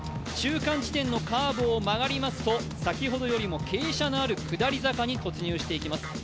中間地点のカーブを曲がりますと先ほどよりも傾斜のある下り坂に入っていきます。